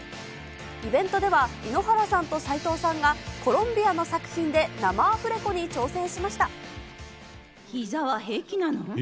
イベントでは、井ノ原さんと斎藤さんがコロンビアの作品で、生アフレコに挑戦しひざは平気なの？